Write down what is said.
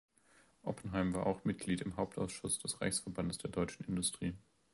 Oppenheim war auch Mitglied im Hauptausschuss des Reichsverbandes der Deutschen Industrie.